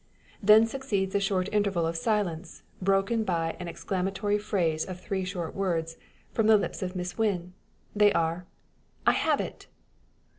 Then succeeds a short interval of silence, broken by an exclamatory phrase of three short words from the lips of Miss Wynn. They are "I have it!"